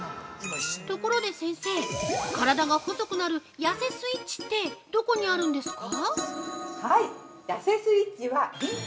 ところで先生、体が細くなるやせスイッチってどこにあるんですか？